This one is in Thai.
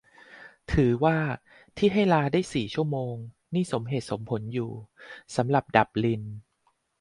ถือว่าที่ให้ลาได้สี่ชั่วโมง นี่สมเหตุสมผลอยู่ สำหรับดับลิน